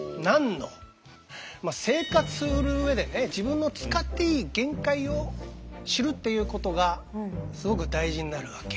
まあ生活する上でね自分の使っていい限界を知るっていうことがすごく大事になるわけ。